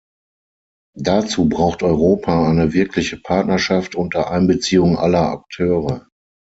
Dazu braucht Europa eine wirkliche Partnerschaft unter Einbeziehung aller Akteure.